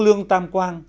lương tam quang